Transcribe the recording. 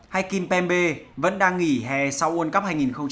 hay kim pembe vẫn đang nghỉ hè sau world cup hai nghìn một mươi tám